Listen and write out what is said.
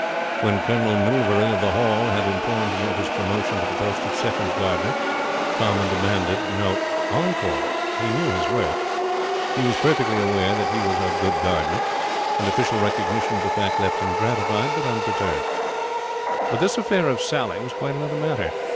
When Colonel Milvery, of the Hall, had informed him of his promotion to the post of second gardener, Tom had demanded no encore. He knew his worth. He was perfectly aware that he was a good gardener, and official recognition of the fact left him gratified, but unperturbed. But this affair of Sally was quite another matter.